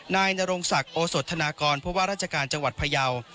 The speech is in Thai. นายนรงศักดิ์โอสธนากรผู้ว่าราชการจังหวัดพยาว